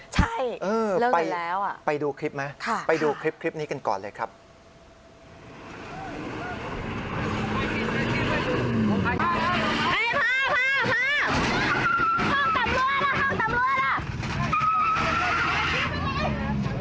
ใช่เรื่องนี้แล้วอะไปดูคลิปไหมค่ะไปดูคลิปนี้กันก่อนเลยครับครับ